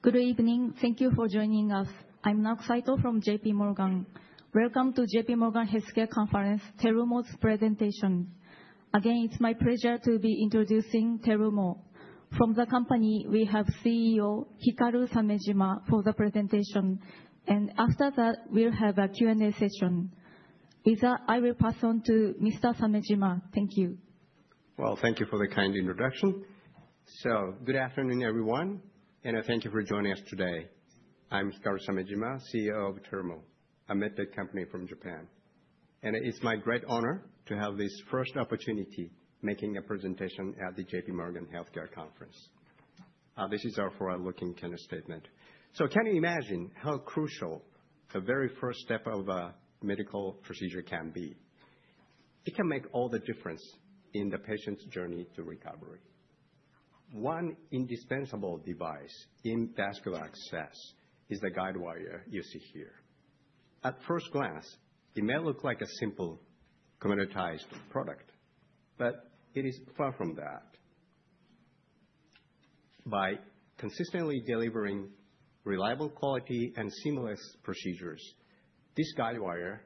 Good evening. Thank you for joining us. I'm Naoki Sato from J.P. Morgan. Welcome to J.P. Morgan Healthcare Conference, Terumo's presentation. Again, it's my pleasure to be introducing Terumo. From the company, we have CEO Hikaru Samejima for the presentation, and after that, we'll have a Q&A session. With that, I will pass on to Mr. Samejima. Thank you. Thank you for the kind introduction. Good afternoon, everyone, and thank you for joining us today. I'm Hikaru Samejima, CEO of Terumo. I'm at the company from Japan, and it's my great honor to have this first opportunity making a presentation at the J.P. Morgan Healthcare Conference. This is our forward-looking kind of statement. Can you imagine how crucial the very first step of a medical procedure can be? It can make all the difference in the patient's journey to recovery. One indispensable device in vascular access is the guidewire you see here. At first glance, it may look like a simple commoditized product, but it is far from that. By consistently delivering reliable quality and seamless procedures, this guidewire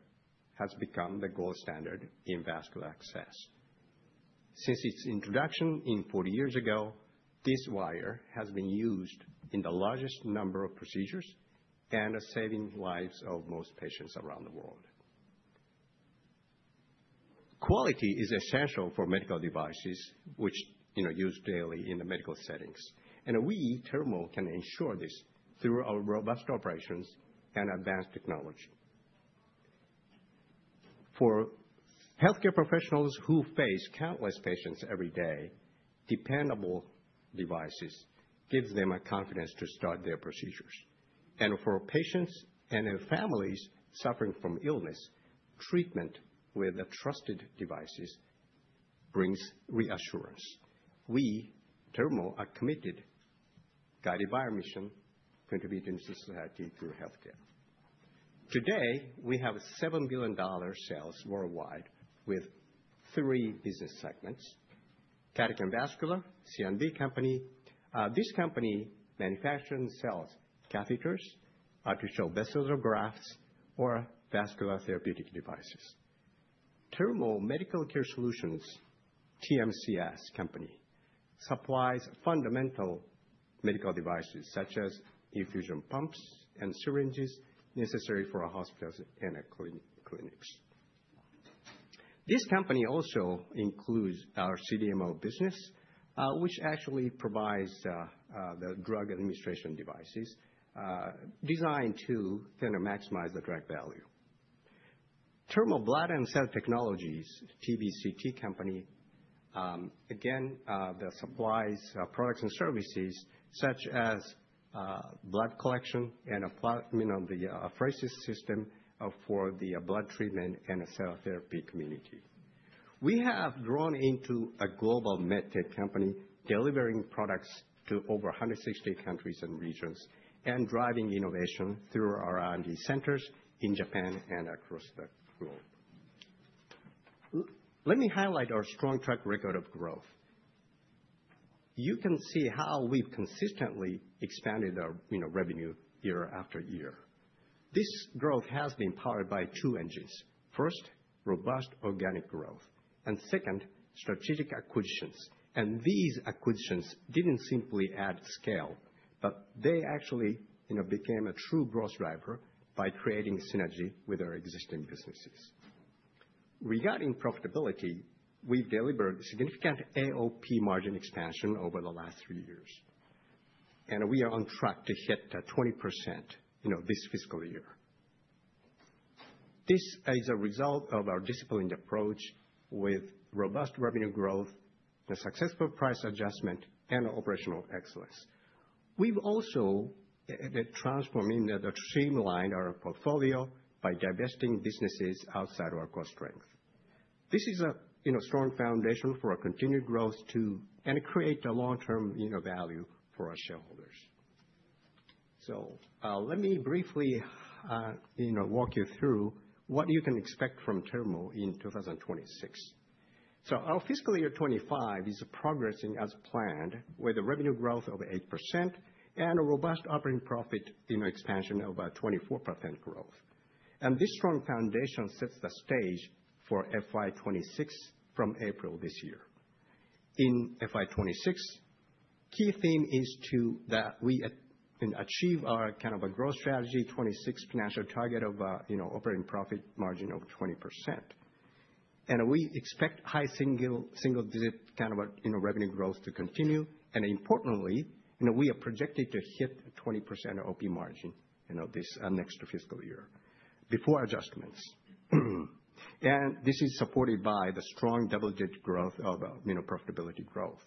has become the gold standard in vascular access. Since its introduction 40 years ago, this wire has been used in the largest number of procedures and is saving lives of most patients around the world. Quality is essential for medical devices, which, you know, are used daily in the medical settings, and we, Terumo, can ensure this through our robust operations and advanced technology. For healthcare professionals who face countless patients every day, dependable devices give them confidence to start their procedures, and for patients and families suffering from illness, treatment with trusted devices brings reassurance. We, Terumo, are committed to guiding our mission to contribute to society through healthcare. Today, we have $7 billion sales worldwide with three business segments: cardiac and vascular, C&V company. This company manufactures and sells catheters to show vascular grafts or vascular therapeutic devices. Terumo Medical Care Solutions, TMCS company, supplies fundamental medical devices such as infusion pumps and syringes necessary for hospitals and clinics. This company also includes our CDMO business, which actually provides the drug administration devices designed to maximize the drug value. Terumo Blood and Cell Technologies, TBCT company, again, supplies products and services such as blood collection and the plasmapheresis system for the blood treatment and cell therapy community. We have grown into a global medtech company delivering products to over 160 countries and regions and driving innovation through our R&D centers in Japan and across the globe. Let me highlight our strong track record of growth. You can see how we've consistently expanded our revenue year after year. This growth has been powered by two engines. First, robust organic growth, and second, strategic acquisitions. These acquisitions didn't simply add scale, but they actually became a true growth driver by creating synergy with our existing businesses. Regarding profitability, we've delivered significant AOP margin expansion over the last three years, and we are on track to hit 20% this fiscal year. This is a result of our disciplined approach with robust revenue growth, successful price adjustment, and operational excellence. We've also transformed and streamlined our portfolio by divesting businesses outside of our core strength. This is a strong foundation for continued growth to create long-term value for our shareholders. Let me briefly walk you through what you can expect from Terumo in 2026. Our fiscal year 2025 is progressing as planned, with a revenue growth of 8% and a robust operating profit expansion of 24% growth. This strong foundation sets the stage for FY 2026 from April this year. In FY 2026, the key theme is to achieve our kind of a growth strategy, 2026 financial target of operating profit margin of 20%. And we expect high single-digit kind of revenue growth to continue. And importantly, we are projected to hit 20% OP margin this next fiscal year before adjustments. And this is supported by the strong double-digit growth of profitability growth.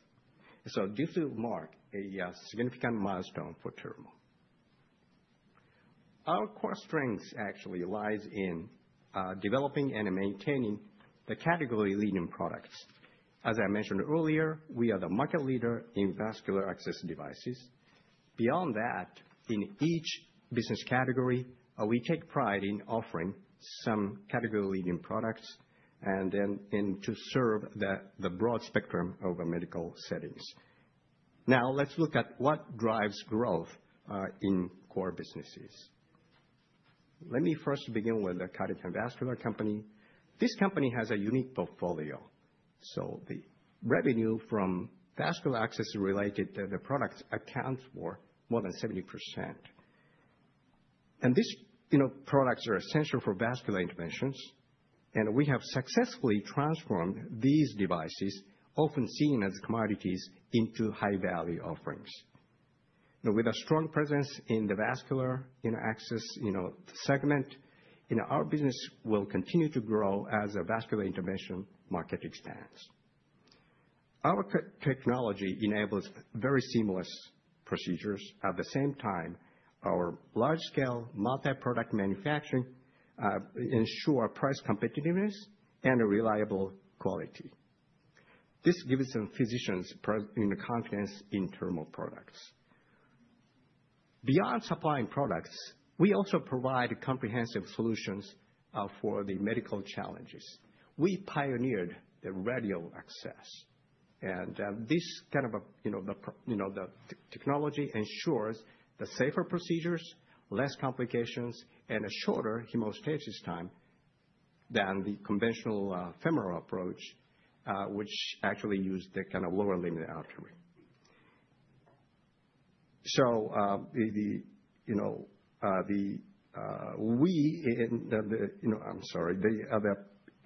So, this will mark a significant milestone for Terumo. Our core strength actually lies in developing and maintaining the category-leading products. As I mentioned earlier, we are the market leader in vascular access devices. Beyond that, in each business category, we take pride in offering some category-leading products and then to serve the broad spectrum of medical settings. Now, let's look at what drives growth in core businesses. Let me first begin with the cardiac and vascular company. This company has a unique portfolio. The revenue from vascular access-related products accounts for more than 70%. These products are essential for vascular interventions, and we have successfully transformed these devices, often seen as commodities, into high-value offerings. With a strong presence in the vascular access segment, our business will continue to grow as our vascular intervention market expands. Our technology enables very seamless procedures. At the same time, our large-scale multi-product manufacturing ensures price competitiveness and reliable quality. This gives physicians confidence in Terumo products. Beyond supplying products, we also provide comprehensive solutions for the medical challenges. We pioneered the radial access, and this kind of technology ensures safer procedures, less complications, and a shorter hemostasis time than the conventional femoral approach, which actually uses the kind of lower limb artery.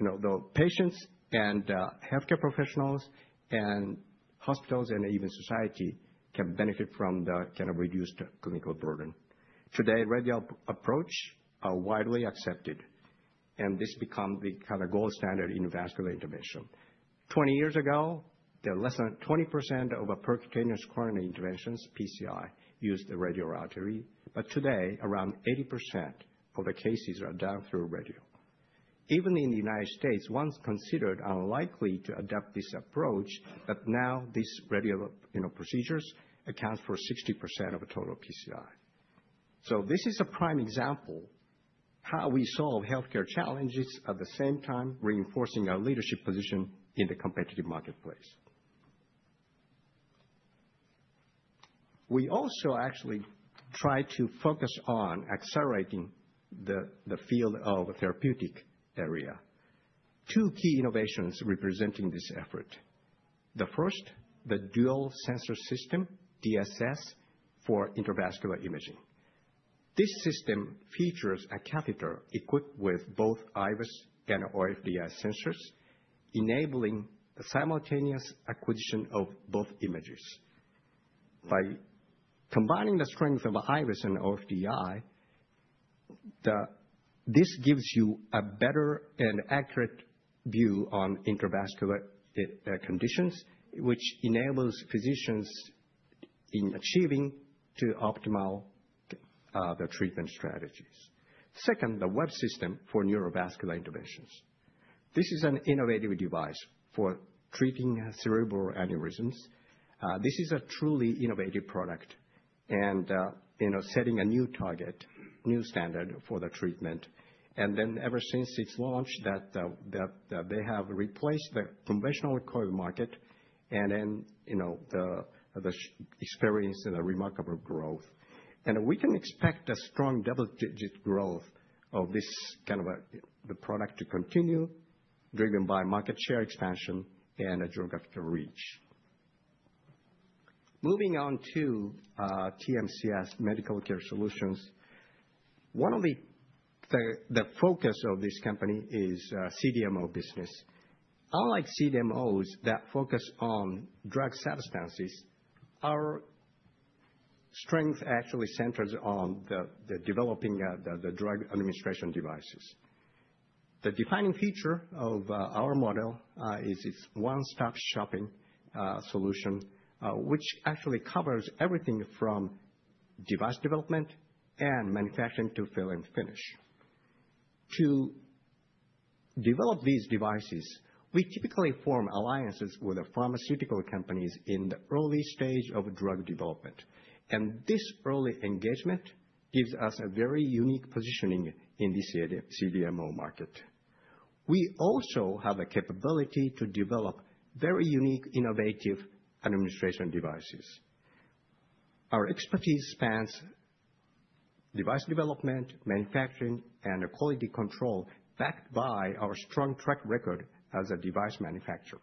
The patients and healthcare professionals and hospitals and even society can benefit from the kind of reduc noed clinical burden. Today, radial access is widely accepted, and this becomes the kind of gold standard in vascular intervention. Twenty years ago, less than 20% of percutaneous coronary interventions, PCI, used the radial artery. But today, around 80% of the cases are done through radial. Even in the United States, once considered unlikely to adopt this access, but now these radial procedures account for 60% of total PCI. This is a prime example of how we solve healthcare challenges at the same time reinforcing our leadership position in the competitive marketplace. We also actually try to focus on accelerating the field of the therapeutic area. Two key innovations representing this effort. The first, the Dual Sensor System, DSS, for intravascular imaging. This system features a catheter equipped with both IVUS and OFDI sensors, enabling simultaneous acquisition of both images. By combining the strength of IVUS and OFDI, this gives you a better and accurate view on intravascular conditions, which enables physicians in achieving optimal treatment strategies. Second, the WEB system for neurovascular interventions. This is an innovative device for treating cerebral aneurysms. This is a truly innovative product and setting a new target, new standard for the treatment, and then ever since its launch, they have replaced the conventional coil market, and then the expansion and the remarkable growth. We can expect a strong double-digit growth of this kind of product to continue, driven by market share expansion and geographical reach. Moving on to TMCS Medical Care Solutions, one of the focuses of this company is the CDMO business. Unlike CDMOs that focus on drug substances, our strength actually centers on developing the drug administration devices. The defining feature of our model is its one-stop shopping solution, which actually covers everything from device development and manufacturing to fill and finish. To develop these devices, we typically form alliances with pharmaceutical companies in the early stage of drug development. And this early engagement gives us a very unique positioning in this CDMO market. We also have a capability to develop very unique, innovative administration devices. Our expertise spans device development, manufacturing, and quality control, backed by our strong track record as a device manufacturer.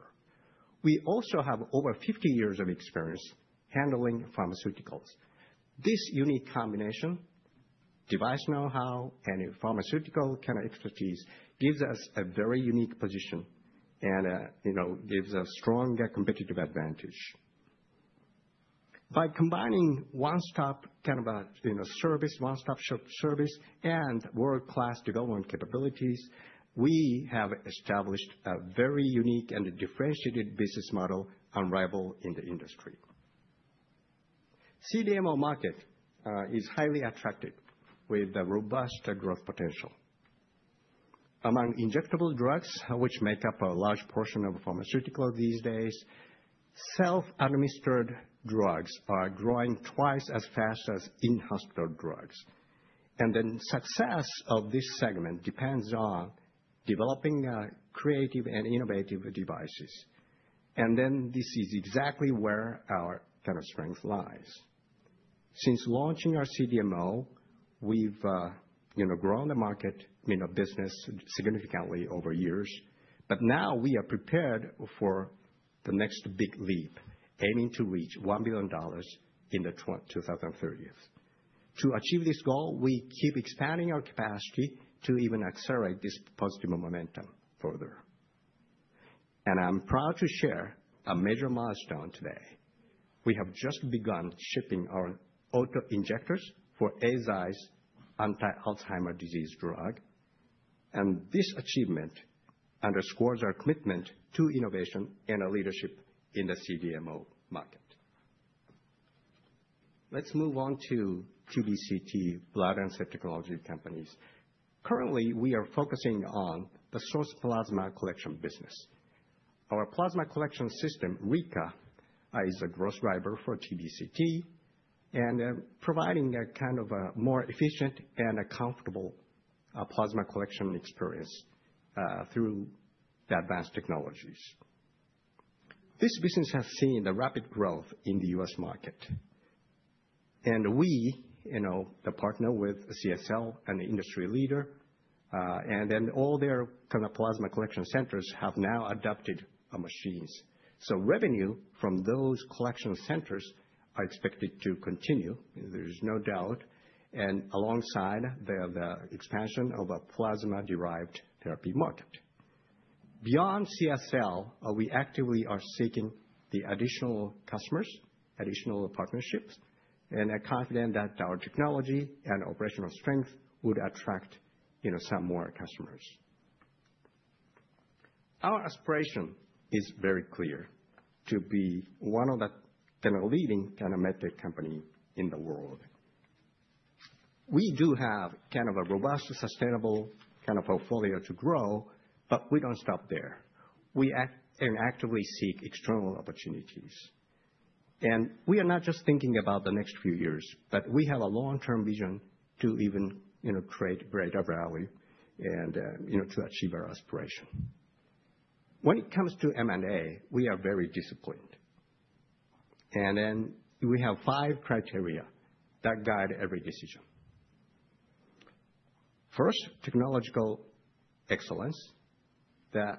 We also have over 50 years of experience handling pharmaceuticals. This unique combination, device know-how and pharmaceutical kind of expertise, gives us a very unique position and gives a strong competitive advantage. By combining one-stop kind of a service, one-stop shop service, and world-class development capabilities, we have established a very unique and differentiated business model unrivaled in the industry. The CDMO market is highly attractive with robust growth potential. Among injectable drugs, which make up a large portion of pharmaceuticals these days, self-administered drugs are growing twice as fast as in-hospital drugs. And the success of this segment depends on developing creative and innovative devices. And then this is exactly where our kind of strength lies. Since launching our CDMO, we've grown the market business significantly over years. But now we are prepared for the next big leap, aiming to reach $1 billion in the 2030s. To achieve this goal, we keep expanding our capacity to even accelerate this positive momentum further. And I'm proud to share a major milestone today. We have just begun shipping our auto injectors for Aziz anti-Alzheimer's disease drug. And this achievement underscores our commitment to innovation and leadership in the CDMO market. Let's move on to TBCT, Blood and Cell Technologies. Currently, we are focusing on the source plasma collection business. Our plasma collection system, Rika, is a growth driver for TBCT and providing a kind of a more efficient and comfortable plasma collection experience through the advanced technologies. This business has seen rapid growth in the U.S. market. And we, the partner with CSL and the industry leader, and then all their kind of plasma collection centers have now adopted machines. So, revenue from those collection centers is expected to continue, there is no doubt, alongside the expansion of a plasma-derived therapy market. Beyond CSL, we actively are seeking additional customers, additional partnerships, and are confident that our technology and operational strength would attract some more customers. Our aspiration is very clear: to be one of the leading kind of medtech companies in the world. We do have kind of a robust, sustainable kind of portfolio to grow, but we don't stop there. We actively seek external opportunities. And we are not just thinking about the next few years, but we have a long-term vision to even create greater value and to achieve our aspiration. When it comes to M&A, we are very disciplined. And then we have five criteria that guide every decision. First, technological excellence, the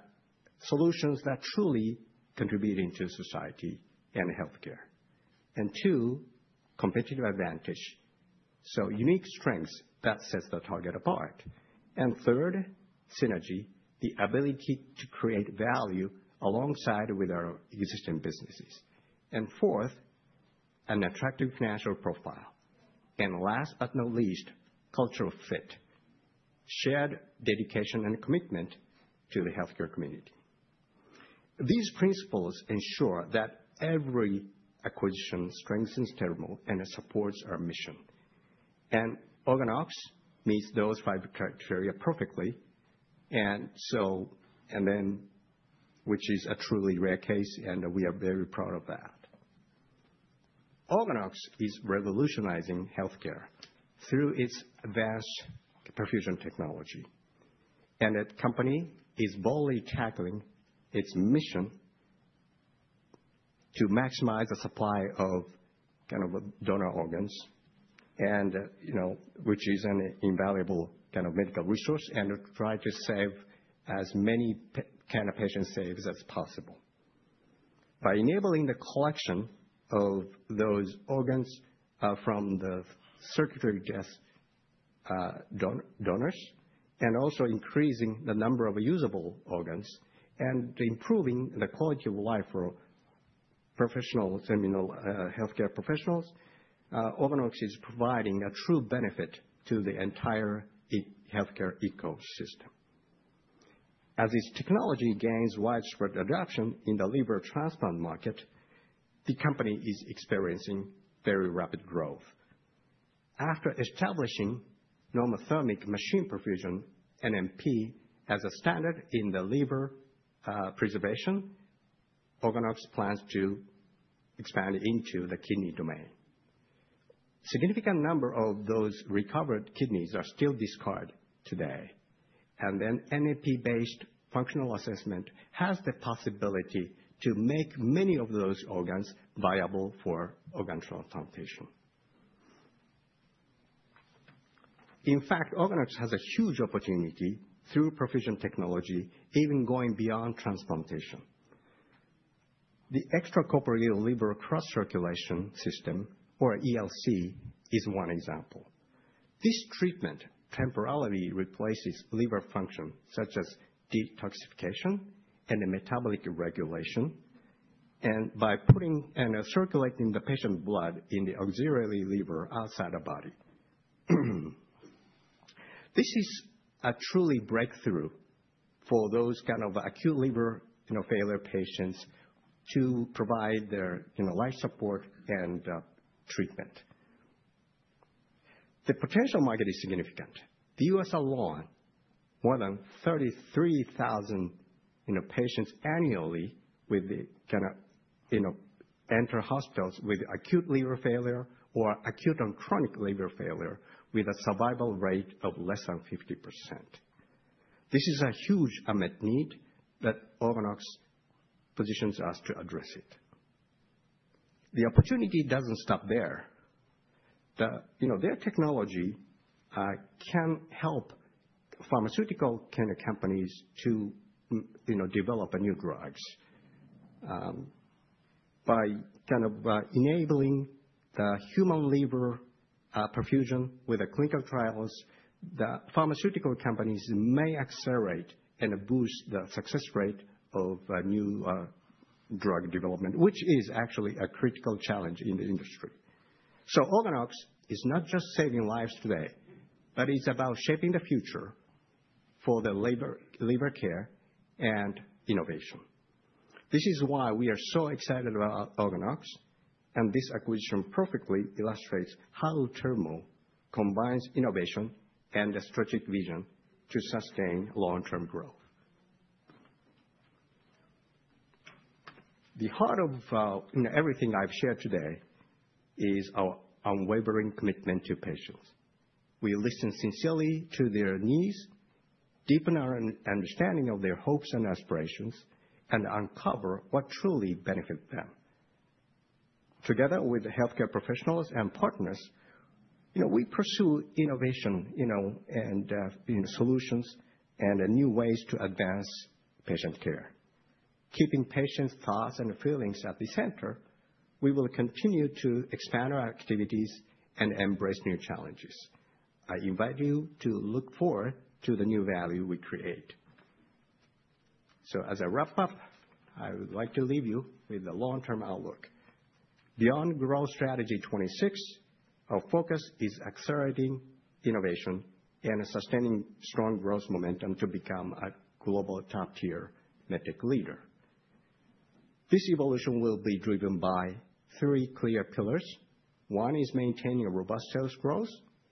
solutions that truly contribute to society and healthcare. And two, competitive advantage, so unique strengths that set the target apart. And third, synergy, the ability to create value alongside our existing businesses. And fourth, an attractive financial profile. And last but not least, cultural fit, shared dedication and commitment to the healthcare community. These principles ensure that every acquisition strengthens Terumo and supports our mission. And OrganOx meets those five criteria perfectly. And then, which is a truly rare case, and we are very proud of that. OrganOx is revolutionizing healthcare through its advanced perfusion technology. And the company is boldly tackling its mission to maximize the supply of kind of donor organs, which is an invaluable kind of medical resource, and try to save as many kind of patient savings as possible. By enabling the collection of those organs from the circulatory death donors and also increasing the number of usable organs and improving the quality of life for professional healthcare professionals, OrganOx is providing a true benefit to the entire healthcare ecosystem. As its technology gains widespread adoption in the liver transplant market, the company is experiencing very rapid growth. After establishing normothermic machine perfusion, NMP, as a standard in the liver preservation, OrganOx plans to expand into the kidney domain. A significant number of those recovered kidneys are still discarded today, and then NMP-based functional assessment has the possibility to make many of those organs viable for organ transplantation. In fact, OrganOx has a huge opportunity through perfusion technology, even going beyond transplantation. The extracorporeal liver cross-circulation system, or ELC, is one example. This treatment temporarily replaces liver function, such as detoxification and metabolic regulation, and by putting and circulating the patient's blood in the auxiliary liver outside the body. This is a true breakthrough for those kind of acute liver failure patients to provide their life support and treatment. The potential market is significant. The U.S. alone, more than 33,000 patients annually enter hospitals with acute liver failure or acute and chronic liver failure with a survival rate of less than 50%. This is a huge unmet need that OrganOx positions us to address it. The opportunity doesn't stop there. Their technology can help pharmaceutical kind of companies to develop new drugs. By kind of enabling the human liver perfusion with clinical trials, the pharmaceutical companies may accelerate and boost the success rate of new drug development, which is actually a critical challenge in the industry. So, OrganOx is not just saving lives today, but it's about shaping the future for the liver care and innovation. This is why we are so excited about OrganOx. And this acquisition perfectly illustrates how Terumo combines innovation and a strategic vision to sustain long-term growth. The heart of everything I've shared today is our unwavering commitment to patients. We listen sincerely to their needs, deepen our understanding of their hopes and aspirations, and uncover what truly benefits them. Together with healthcare professionals and partners, we pursue innovation and solutions and new ways to advance patient care. Keeping patients' thoughts and feelings at the center, we will continue to expand our activities and embrace new challenges. I invite you to look forward to the new value we create, so as I wrap up, I would like to leave you with a long-term outlook. Beyond Growth Strategy 26, our focus is accelerating innovation and sustaining strong growth momentum to become a global top-tier medtech leader. This evolution will be driven by three clear pillars. One is maintaining robust sales growth,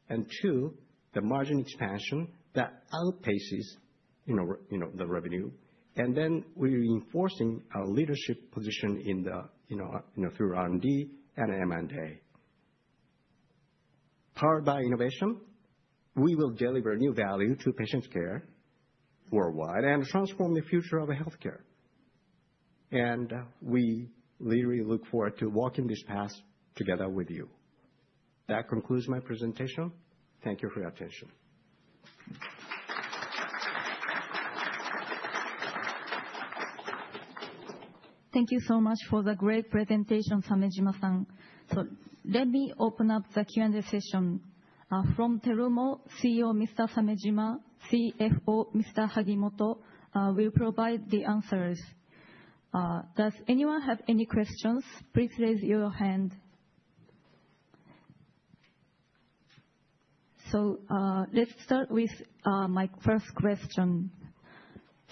and two, the margin expansion that outpaces the revenue, and then we're reinforcing our leadership position through R&D and M&A. Powered by innovation, we will deliver new value to patients' care worldwide and transform the future of healthcare. We really look forward to walking this path together with you. That concludes my presentation. Thank you for your attention. Thank you so much for the great presentation, Samejima-san. So, let me open up the Q&A session. From Terumo, CEO Mr. Samejima, CFO Mr. Hagimoto will provide the answers. Does anyone have any questions? Please raise your hand. So, let's start with my first question.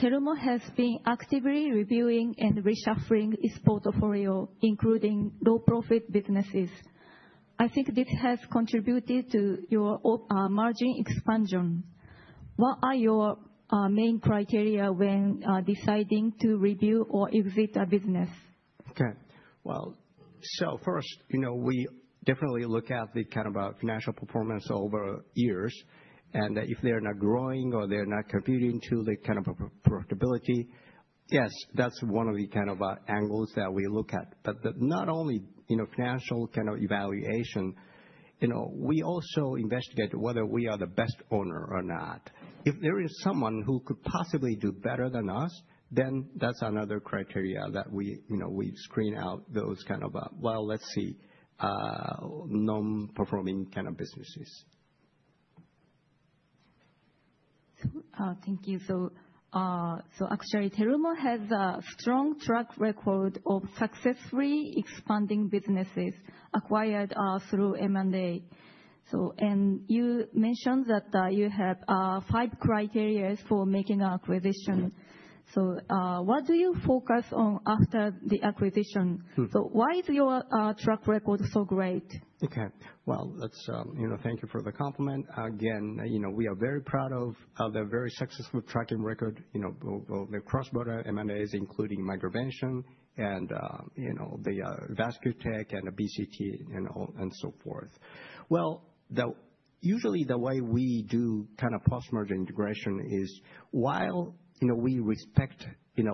Terumo has been actively reviewing and reshuffling its portfolio, including low-profit businesses. I think this has contributed to your margin expansion. What are your main criteria when deciding to review or exit a business? Okay, well, so first, we definitely look at the kind of financial performance over years, and if they're not growing or they're not contributing to the kind of profitability, yes, that's one of the kind of angles that we look at, but not only financial kind of evaluation, we also investigate whether we are the best owner or not. If there is someone who could possibly do better than us, then that's another criteria that we screen out those kind of, well, let's see, non-performing kind of businesses. Thank you. So, actually, Terumo has a strong track record of successfully expanding businesses acquired through M&A. And you mentioned that you have five criteria for making an acquisition. So, what do you focus on after the acquisition? So, why is your track record so great? Okay. Well, thank you for the compliment. Again, we are very proud of the very successful track record of the cross-border M&As, including MicroVention and the Vascutek and BCT and so forth. Well, usually, the way we do kind of post-merger integration is, while we respect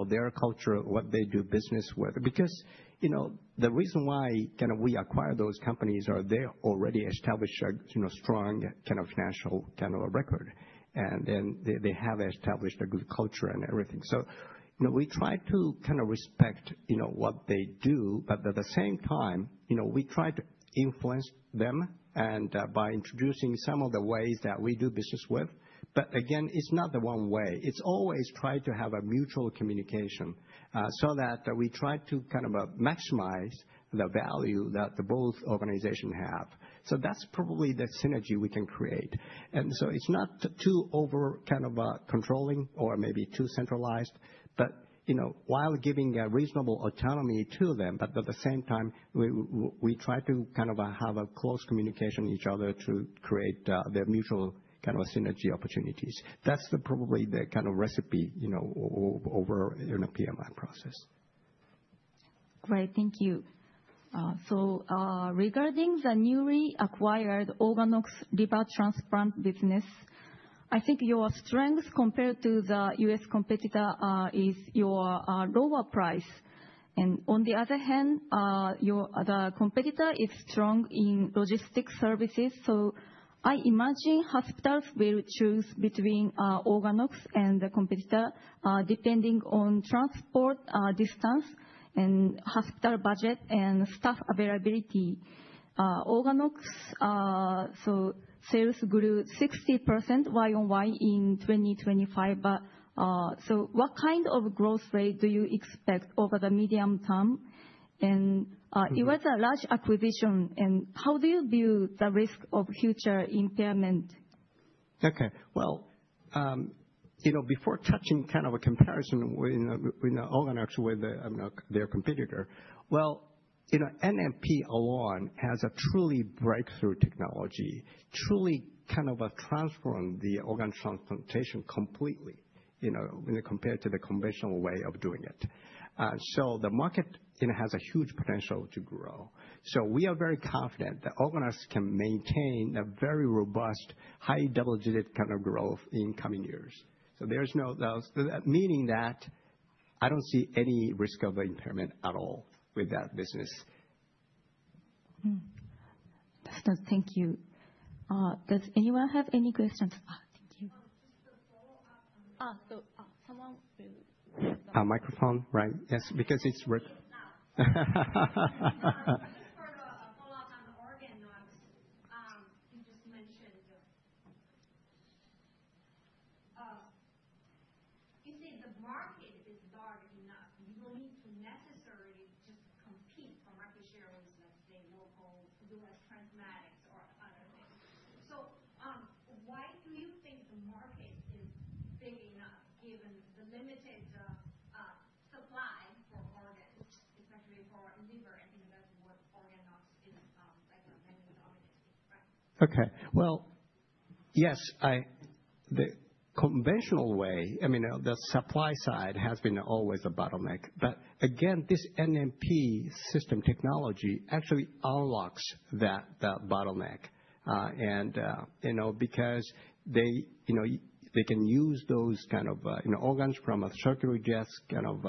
their culture, what they do business with, because the reason why kind of we acquire those companies is they already establish a strong kind of financial kind of record. And then they have established a good culture and everything. So, we try to kind of respect what they do. But at the same time, we try to influence them by introducing some of the ways that we do business with. But again, it's not the one way. It's always try to have a mutual communication so that we try to kind of maximize the value that both organizations have. So, that's probably the synergy we can create. And so, it's not too overly kind of controlling or maybe too centralized, but while giving a reasonable autonomy to them, but at the same time, we try to kind of have a close communication with each other to create the mutual kind of synergy opportunities. That's probably the kind of recipe we have in a PMI process. Great. Thank you. So, regarding the newly acquired OrganOx liver transplant business, I think your strength compared to the U.S. competitor is your lower price. And on the other hand, the competitor is strong in logistics services. So, I imagine hospitals will choose between OrganOx and the competitor depending on transport distance and hospital budget and staff availability. OrganOx's sales grew 60% Y on Y in 2025. So, what kind of growth rate do you expect over the medium term? And it was a large acquisition. And how do you view the risk of future impairment? Okay. Before touching kind of a comparison with OrganOx with their competitor, well, NMP alone has a truly breakthrough technology, truly kind of transformed the organ transplantation completely when compared to the conventional way of doing it. So, the market has a huge potential to grow. So, we are very confident that OrganOx can maintain a very robust, high double-digit kind of growth in coming years. So, meaning that I don't see any risk of impairment at all with that business. Excellent. Thank you. Does anyone have any questions? Thank you. Just a follow-up. So, someone will. Microphone, right? Yes, because it's working. Just for a follow-up on the OrganOx, you just mentioned you say the market is large enough. You don't need to necessarily just compete for market share with, let's say, local U.S. transplant centers or other things. So, why do you think the market is big enough given the limited supply for organs, especially for liver? I think that's what OrganOx is like a mainly dominant thing, right? Okay. Yes, the conventional way, I mean, the supply side has been always a bottleneck. Again, this NMP system technology actually unlocks that bottleneck. Because they can use those kind of organs from a circulatory death kind of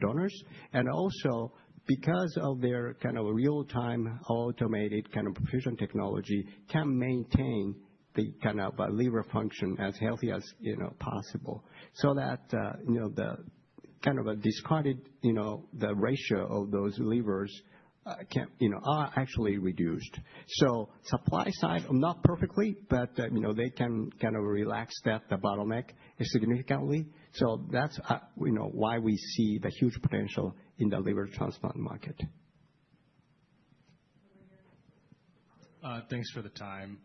donors, and also because of their kind of real-time automated kind of perfusion technology can maintain the kind of liver function as healthy as possible so that the kind of discarded ratio of those livers are actually reduced. Supply side not perfectly, but they can kind of relax that bottleneck significantly. That's why we see the huge potential in the liver transplant market. Thanks for the time.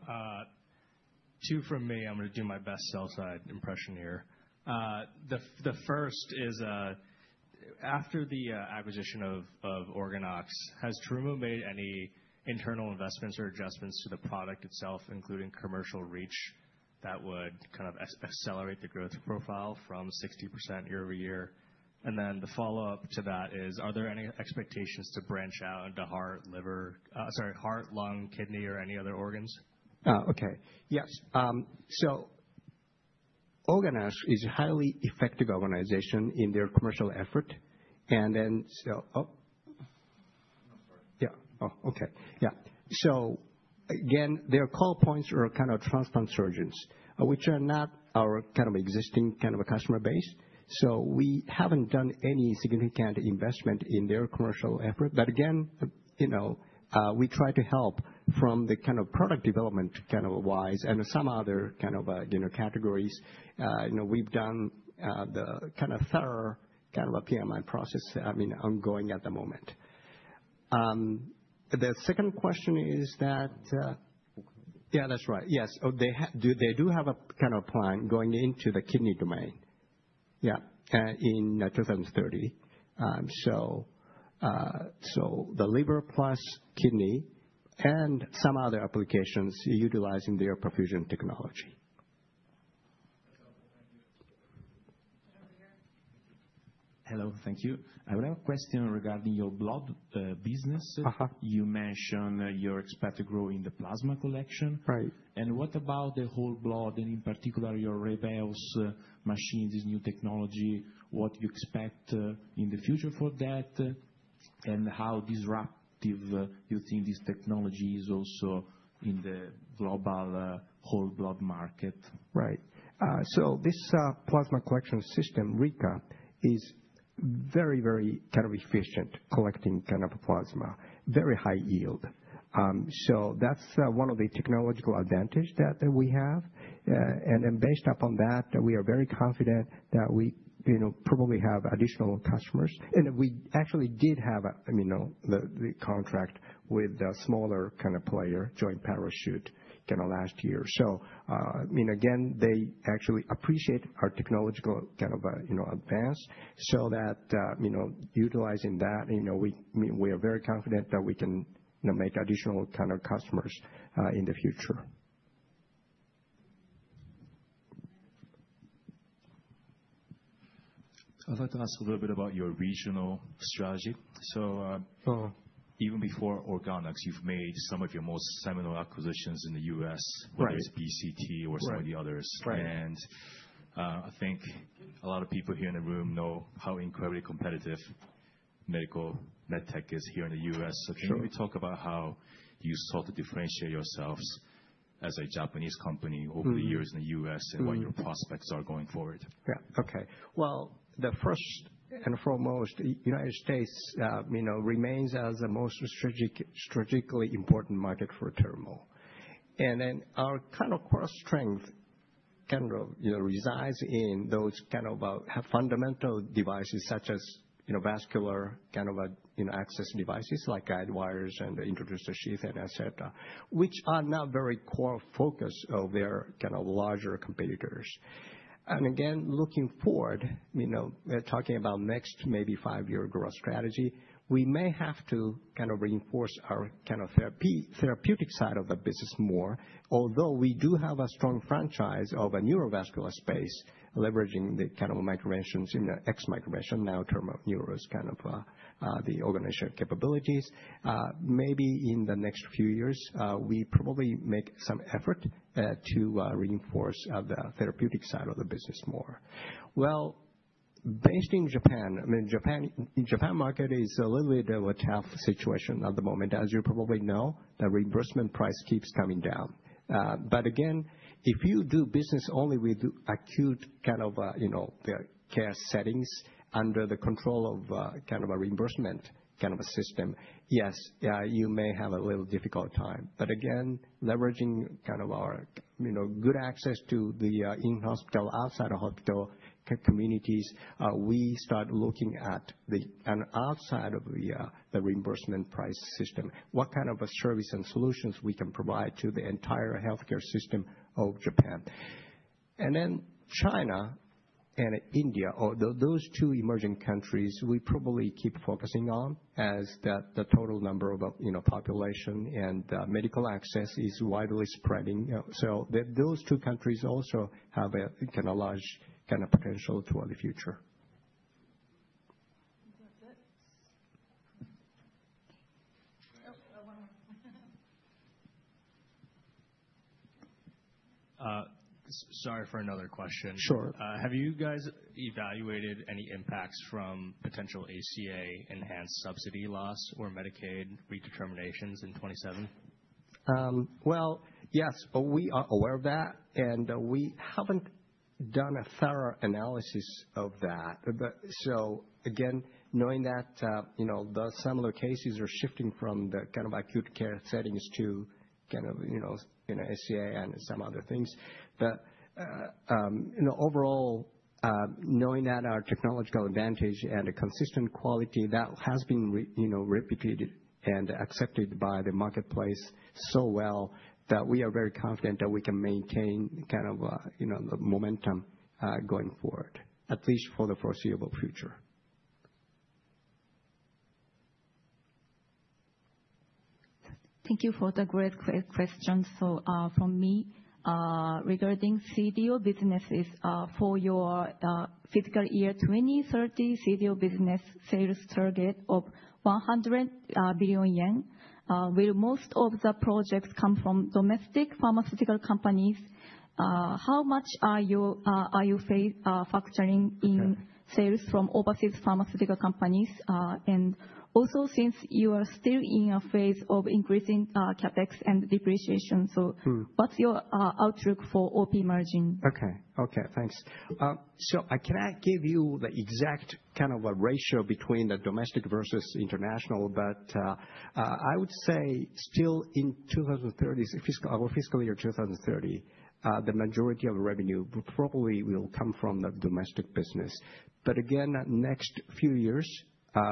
Two from me. I'm going to do my best sell-side impression here. The first is, after the acquisition of OrganOx, has Terumo made any internal investments or adjustments to the product itself, including commercial reach that would kind of accelerate the growth profile from 60% year over year? And then the follow-up to that is, are there any expectations to branch out into heart, liver, sorry, heart, lung, kidney, or any other organs? Okay. Yes. So, OrganOx is a highly effective organization in their commercial effort. And then. I'm sorry. Yeah. Oh, okay. Yeah. So, again, their call points are kind of transplant surgeons, which are not our kind of existing kind of customer base. So, we haven't done any significant investment in their commercial effort. But again, we try to help from the kind of product development kind of wise and some other kind of categories. We've done the kind of thorough kind of PMI process, I mean, ongoing at the moment. The second question is that. Okay. Yeah, that's right. Yes. They do have a kind of plan going into the kidney domain, yeah, in 2030. So, the liver plus kidney and some other applications utilizing their perfusion technology. Hello. Thank you. I have a question regarding your blood business. You mentioned you're expected to grow in the plasma collection. And what about the whole blood and in particular your Reveos machine, this new technology? What do you expect in the future for that? And how disruptive do you think this technology is also in the global whole blood market? Right. So, this plasma collection system, Rika, is very, very kind of efficient collecting kind of plasma, very high yield. So, that's one of the technological advantages that we have. And based upon that, we are very confident that we probably have additional customers. And we actually did have the contract with a smaller kind of player, Joint Parachute, kind of last year. So, I mean, again, they actually appreciate our technological kind of advance. So, utilizing that, we are very confident that we can make additional kind of customers in the future. I'd like to ask a little bit about your regional strategy. So, even before OrganOx, you've made some of your most seminal acquisitions in the U.S. Right. Whether it's BCT or some of the others. Right. I think a lot of people here in the room know how incredibly competitive medtech is here in the U.S. Sure. So, can you talk about how you sought to differentiate yourselves as a Japanese company over the years in the U.S.? Sure. What are your prospects going forward? Yeah. Okay. Well, the first and foremost, the United States remains as the most strategically important market for Terumo. And then our kind of core strength kind of resides in those kind of fundamental devices such as vascular kind of access devices like guidewires and the introducer sheath, etc., which are now very core focus of their kind of larger competitors. And again, looking forward, talking about next maybe five-year growth strategy, we may have to kind of reinforce our kind of therapeutic side of the business more, although we do have a strong franchise of a neurovascular space leveraging the kind of MicroVention's and the ex-MicroVention, now Terumo Neuro is kind of the organizational capabilities. Maybe in the next few years, we probably make some effort to reinforce the therapeutic side of the business more. Based in Japan, I mean, the Japan market is a little bit of a tough situation at the moment. As you probably know, the reimbursement price keeps coming down. But again, if you do business only with acute kind of care settings under the control of kind of a reimbursement kind of a system, yes, you may have a little difficult time. But again, leveraging kind of our good access to the in-hospital, outside of hospital communities, we start looking at the outside of the reimbursement price system, what kind of service and solutions we can provide to the entire healthcare system of Japan. And then China and India, those two emerging countries, we probably keep focusing on as the total number of population and medical access is widely spreading. So, those two countries also have a kind of large kind of potential toward the future. That's it. Oh, one more. Sorry for another question. Sure. Have you guys evaluated any impacts from potential ACA-enhanced subsidy loss or Medicaid redeterminations in 2027? Yes, but we are aware of that. We haven't done a thorough analysis of that. Again, knowing that some of the cases are shifting from the kind of acute care settings to kind of ACA and some other things. Overall, knowing that our technological advantage and a consistent quality that has been replicated and accepted by the marketplace so well that we are very confident that we can maintain kind of the momentum going forward, at least for the foreseeable future. Thank you for the great question. So, from me, regarding CDMO businesses, for your fiscal year 2030, CDMO business sales target of 100 billion yen. Will most of the projects come from domestic pharmaceutical companies? How much are you factoring in sales from overseas pharmaceutical companies? And also, since you are still in a phase of increasing CapEx and depreciation, so what's your outlook for OP margin? Okay. Okay. Thanks. I cannot give you the exact kind of ratio between the domestic versus international, but I would say still in 2030, our fiscal year 2030, the majority of revenue probably will come from the domestic business. But again, next few years,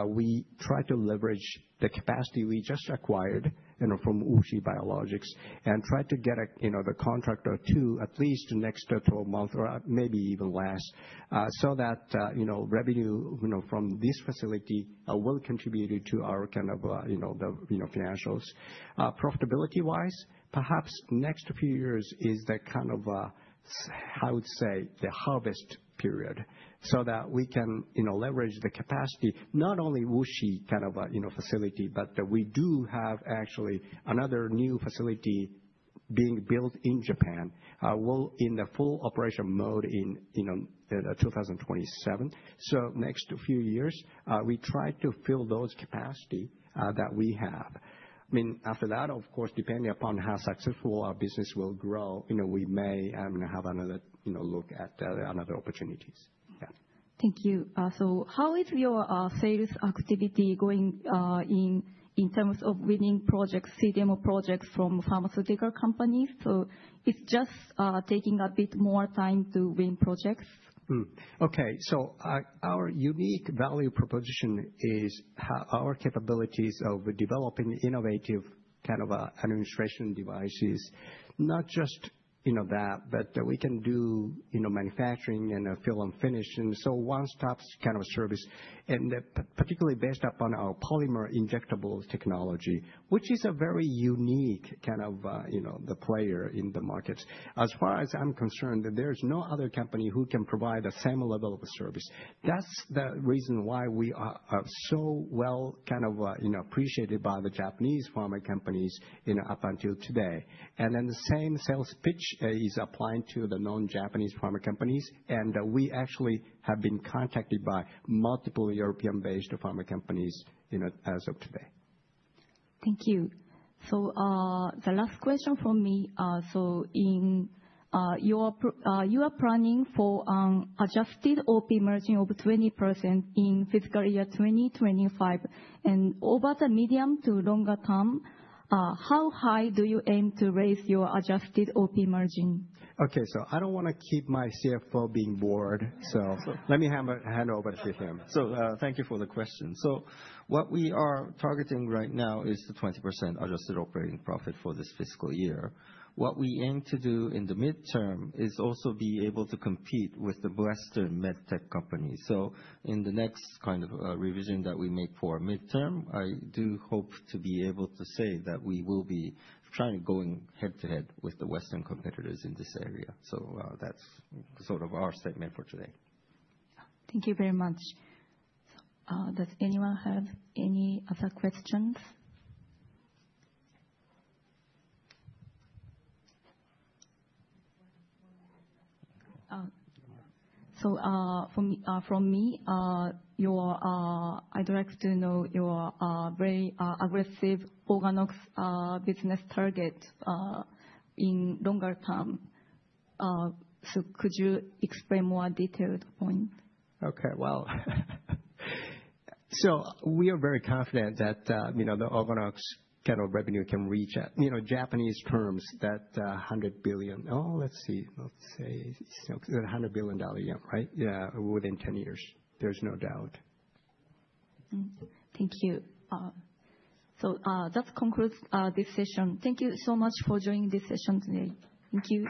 we try to leverage the capacity we just acquired from WuXi Biologics and try to get the contract or two at least next to a month or maybe even less so that revenue from this facility will contribute to our kind of financials. Profitability-wise, perhaps next few years is the kind of, I would say, the harvest period so that we can leverage the capacity, not only Uchi kind of facility, but we do have actually another new facility being built in Japan, well, in the full operation mode in 2027. So, next few years, we try to fill those capacity that we have. I mean, after that, of course, depending upon how successful our business will grow, we may have another look at other opportunities. Yeah. Thank you. So, how is your sales activity going in terms of winning projects, CDMO projects from pharmaceutical companies? So, it's just taking a bit more time to win projects? Okay. So, our unique value proposition is our capabilities of developing innovative kind of administration devices, not just that, but we can do manufacturing and fill and finish, and so one-stop kind of service. And particularly based upon our polymer injectable technology, which is a very unique kind of the player in the markets. As far as I'm concerned, there's no other company who can provide the same level of service. That's the reason why we are so well kind of appreciated by the Japanese pharma companies up until today. And then the same sales pitch is applied to the non-Japanese pharma companies. And we actually have been contacted by multiple European-based pharma companies as of today. Thank you. So, the last question from me. So, you are planning for an adjusted AOP margin of 20% in fiscal year 2025. And over the medium to longer term, how high do you aim to raise your adjusted AOP margin? Okay. So, I don't want to keep my CFO being bored, so let me hand over to him. So, thank you for the question. So, what we are targeting right now is the 20% adjusted operating profit for this fiscal year. What we aim to do in the midterm is also be able to compete with the Western medtech companies. So, in the next kind of revision that we make for midterm, I do hope to be able to say that we will be trying to go head-to-head with the Western competitors in this area. So, that's sort of our statement for today. Thank you very much. Does anyone have any other questions? So, from me, I'd like to know your very aggressive OrganOx business target in longer term. So, could you explain more detailed point? Okay. Well, so we are very confident that the OrganOx kind of revenue can reach 100 billion yen. Oh, let's see. Let's say it's a 100 billion yen, right? Yeah, within 10 years. There's no doubt. Thank you. So, that concludes this session. Thank you so much for joining this session today. Thank you.